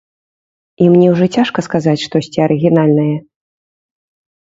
І мне ўжо цяжка сказаць штосьці арыгінальнае.